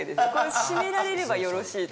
締められればよろしいと。